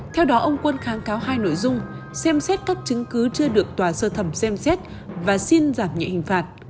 theo đó ông quân kháng cáo hai nội dung xem xét các chứng cứ chưa được tòa sơ thẩm xem xét và xin giảm nhẹ hình phạt